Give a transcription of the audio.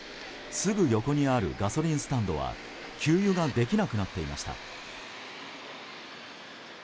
すぐ横にあるガソリンスタンドは給油ができなくなっていました。